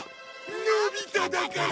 のび太だから！